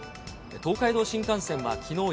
東海道新幹線はきのう